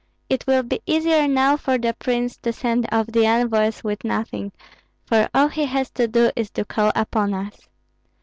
It will be easier now for the prince to send off the envoys with nothing, for all he has to do is to call upon us.